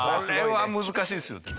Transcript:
これは難しいですよ。